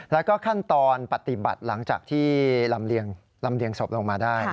แล้วก็ขั้นตอนปฏิบัติหลังจากที่ลำเลียงศพลงมาได้